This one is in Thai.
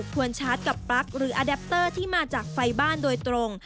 ควรชาร์จกับปลั๊กหรืออาแดปเตอร์ที่มาจากไฟบ้านโดยตรง